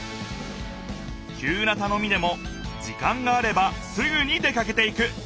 きゅうなたのみでも時間があればすぐに出かけていく。